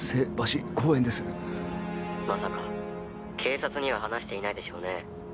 「まさか警察には話していないでしょうね？」